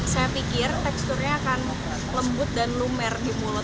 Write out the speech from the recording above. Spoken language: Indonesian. saya pikir teksturnya akan lembut dan lumer di mulut